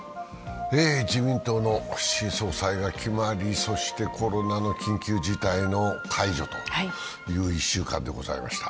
自民党の新総裁が決まり、そしてコロナの緊急事態の解除という１週間でございました。